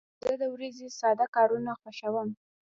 زه د ورځې ساده کارونه خوښوم.